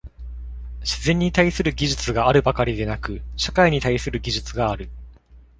自然に対する技術があるばかりでなく、社会に対する技術がある。